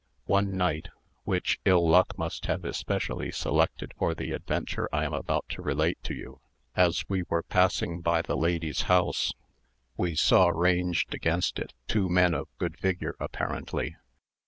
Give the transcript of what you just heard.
One night, which ill luck must have especially selected for the adventure I am about to relate to you, as we were passing by the lady's house, we saw ranged against it two men of good figure apparently.